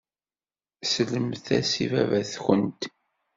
Sellemt-as i baba-twent.